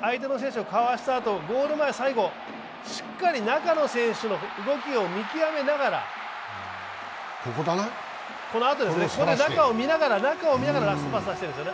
相手の選手をかわした後、ゴール前、しっかり中の選手の動きを見極めながらこのあとですね、ここで中を見ながらラストパス出してるんです。